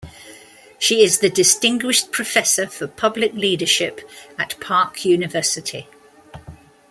She is the Distinguished Professor for Public Leadership at Park University.